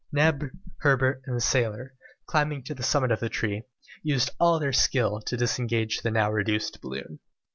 Neb, Herbert, and the sailor, climbing to the summit of the tree, used all their skill to disengage the now reduced balloon.